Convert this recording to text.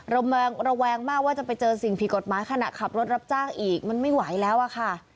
ระแวงมากว่าจะไปเจอสิ่งผิดกฎหมายขณะขับรถรับจ้างอีกมันไม่ไหวแล้วอะค่ะ